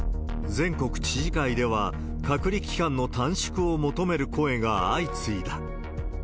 全国知事会では、隔離期間の短縮を求める声が相次いだ。